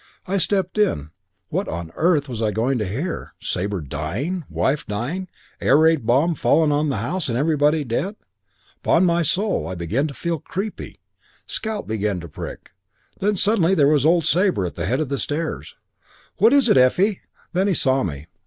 I stepped in. What on earth was I going to hear? Sabre dying? Wife dying? Air raid bomb fallen on the house and everybody dead? 'Pon my soul, I began to feel creepy. Scalp began to prick. Then suddenly there was old Sabre at the head of the stairs. 'What is it, Effie?' Then he saw me.